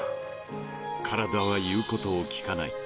［体は言うことを聞かない］